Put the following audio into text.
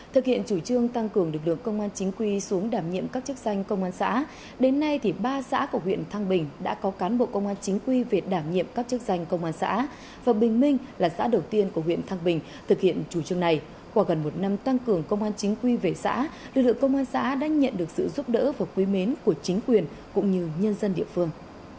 trong tăng cường công an chính quy về xã lực lượng công an xã đã nhận được sự giúp đỡ và quý mến của chính quyền cũng như nhân dân địa phương